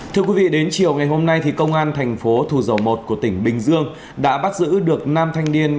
thưa quý vị đến chiều ngày hôm nay thì công an tp thù dầu một của tỉnh bình dương đã bắt giữ được năm thanh niên